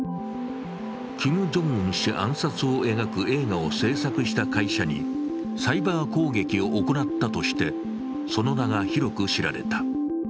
キム・ジョンウン氏暗殺を描く映画を製作した会社にサイバー攻撃を行ったとしてその名が広く知られた。